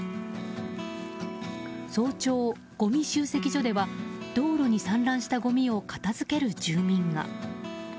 早朝、ごみ集積所では道路に散乱したごみを片づける住民が。